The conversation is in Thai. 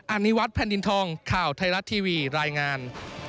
อันนี้วัดแผ่นดินทองข่าวไทยรัฐทีวีรายงาน